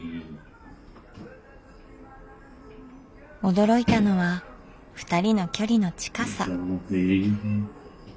驚いたのはふたりの距離の近さ。